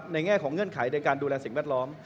แง่ของเงื่อนไขในการดูแลสิ่งแวดล้อม